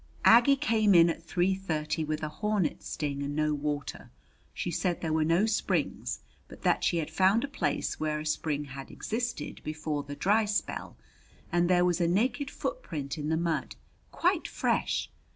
Aggie came in at three thirty with a hornet sting and no water. She said there were no springs, but that she had found a place where a spring had existed before the dry spell, and there was a naked footprint in the mud, quite fresh!